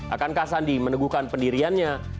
akankah sandi meneguhkan pendiriannya